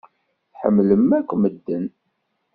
Tḥemmlem akk medden.